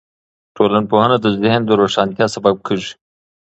ټولنپوهنه د ذهن د روښانتیا سبب کیږي.